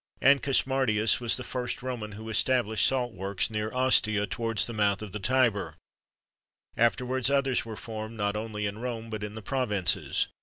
[XXIII 9] Ancus Martius was the first Roman who established salt works near Ostia towards the mouth of the Tiber.[XXIII 10] Afterwards, others were formed, not only in Rome, but in the provinces.